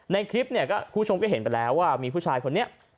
ในคลิปเนี่ยคุณผู้ชมก็เห็นไปแล้วว่ามีผู้ชายคนนี้